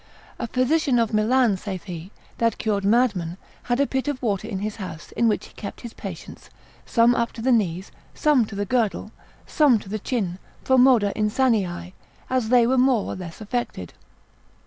A physician of Milan, saith he, that cured mad men, had a pit of water in his house, in which he kept his patients, some up to the knees, some to the girdle, some to the chin, pro modo insaniae, as they were more or less affected.